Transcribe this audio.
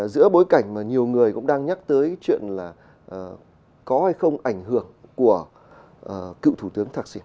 giữa bối cảnh mà nhiều người cũng đang nhắc tới chuyện là có hay không ảnh hưởng của cựu thủ tướng thạc sĩ